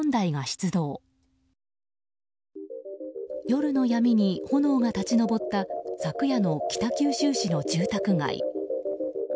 夜の闇に炎が立ち上った昨夜の北九州市の住宅街。